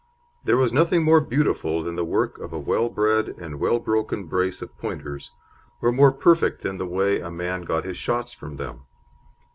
There was nothing more beautiful than the work of a well bred and well broken brace of Pointers, or more perfect than the way a man got his shots from them.